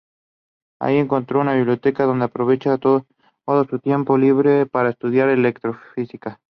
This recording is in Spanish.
Allí encontró una biblioteca, donde aprovechaba todo su tiempo libre para estudiar electro-física.